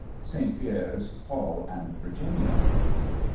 ST. PIERRE'S "PAUL AND VIRGINIA."